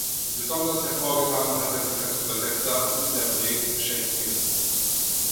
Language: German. Besonders hervorgetan hat er sich als Übersetzer und Interpret Shakespeares.